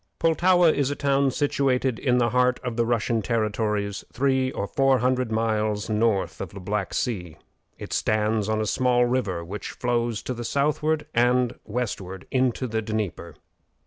Pultowa is a town situated in the heart of the Russian territories three or four hundred miles north of the Black Sea. It stands on a small river which flows to the southward and westward into the Dnieper.